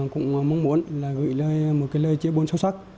cũng mong muốn gửi lời chia buồn sâu sắc